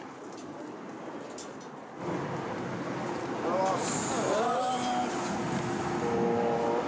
おはようございます。